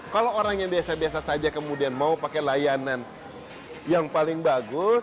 kalau orang yang biasa biasa saja kemudian mau pakai layanan yang paling bagus